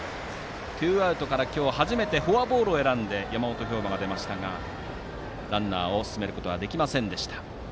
ツーアウトから今日初めてフォアボールを選んで山本彪真が出ましたがランナーを進めることはできませんでした。